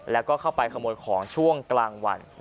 แล้วก็เข้าไปขโมยของช่วงกลางวัน